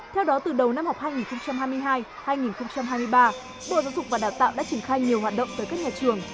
theo đó từ đầu năm học hai nghìn hai mươi hai hai nghìn hai mươi ba bộ giáo dục và đào tạo đã triển khai nhiều hoạt động tới các nhà trường